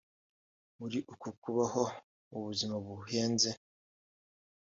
muri uko kubaho mu buzima buhenze